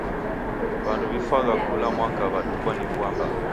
W'andu w'ifwagha kula mwaka w'adukwa ni vua mbaa.